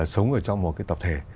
sống ở trong một cái tập thể